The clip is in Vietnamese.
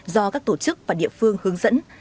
do các tổ chức và địa phương hướng dẫn